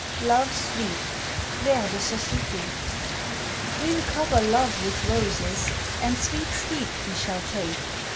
LOVE'S SLEEP. (Vers de Société.) We'll cover Love with roses, And sweet sleep he shall take.